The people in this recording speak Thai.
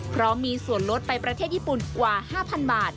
เพราะมีส่วนลดไปประเทศญี่ปุ่นกว่า๕๐๐๐บาท